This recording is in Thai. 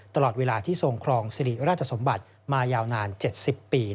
ตลอดเวลาที่ทรงครองสิริราชสมบัติมายาวนาน๗๐ปี